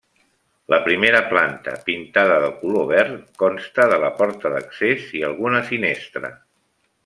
La primera planta, pintada de color verd, consta de la porta d'accés i alguna finestra.